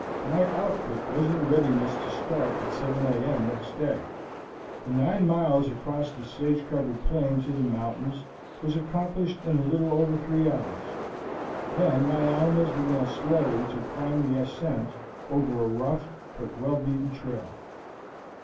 My outfit was in readiness to start at 7 a. m. next day. The nine miles across the sage covered plain to the mountains was accomplished in a little over three hours; then my animals began slowly to climb the ascent over a rough but well beaten trail.